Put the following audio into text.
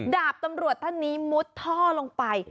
ดาบตำรวจท่านนี้มุดท่อลงไป